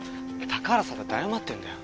高原さんだって謝ってんだよ。